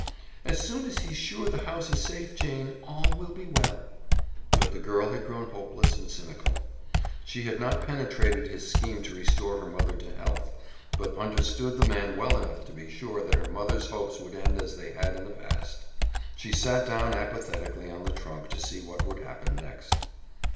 "As soon as he's sure the house is safe, Jane, all will be well." But the girl had grown hopeless and cynical. She had not penetrated his scheme to restore her mother to health, but understood the man well enough to be sure that her mother's hopes would end as they had in the past. She sat down apathetically on the trunk to see what would happen next.